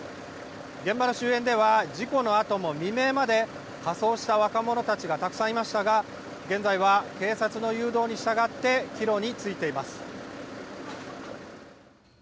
現場の周辺では、事故のあとも未明まで仮装した若者たちがたくさんいましたが、現在は警察の誘導に従って岐路に就いています。